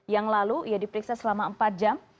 yang lalu ia diperiksa selama empat jam